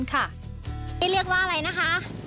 นี่เรียกว่าอะไรนะคะ